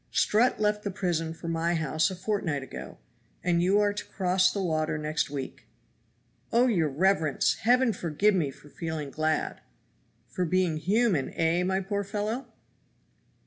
Strutt left the prison for my house a fortnight ago, and you are to cross the water next week." "Oh, your reverence! Heaven forgive me for feeling glad." "For being human, eh, my poor fellow?"